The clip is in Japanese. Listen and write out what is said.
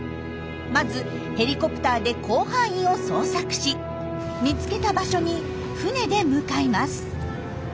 まずヘリコプターで広範囲を捜索し見つけた場所に船で向かいます。